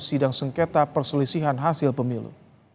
sidang sengketa perselisihan hasil pemilu